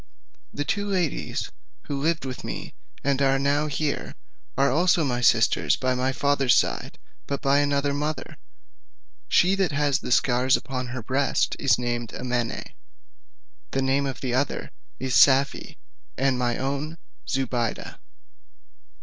The two ladies who live with me, and are now here, are also my sisters by the father's side, but by another mother: she that has the scars upon her breast is named Amene; the name of the other is Safie, and my own Zobeide.